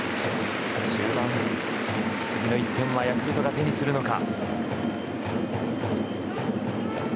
終盤、次の１点はヤクルトが手にするのか。